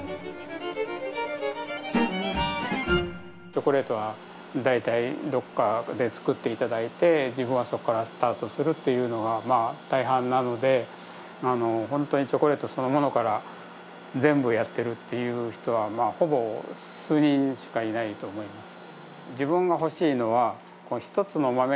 チョコレートは大体どこかで作っていただいて自分はそこからスタートするというのが大半なので本当にチョコレートそのものから全部やってるという人はほぼ数人しかいないと思います。